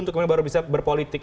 untuk baru bisa berpolitik